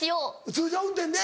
通常運転で。